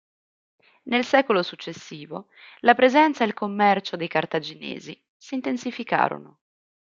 Nel secolo successivo, la presenza e il commercio dei cartaginesi si intensificarono.